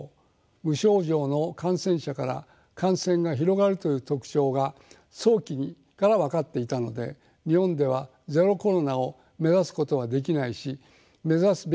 無症状の感染者から感染が広がるという特徴が早期から分かっていたので日本では「ゼロコロナ」を目指すことはできないし目指すべきではないと考え